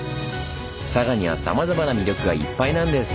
佐賀にはさまざまな魅力がいっぱいなんです！